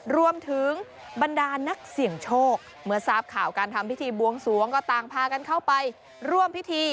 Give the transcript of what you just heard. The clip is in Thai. บรรดานักเสี่ยงโชคเมื่อทราบข่าวการทำพิธีบวงสวงก็ต่างพากันเข้าไปร่วมพิธี